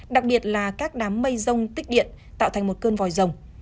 đặc biệt là các đám mây rông tích điện tạo thành một cơn vòi rồng